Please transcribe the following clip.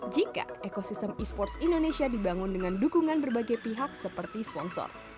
jika ekosistem e sports indonesia dibangun dengan dukungan berbagai pihak seperti sponsor